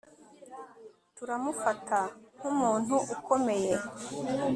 Turamufata nkumuntu ukomeye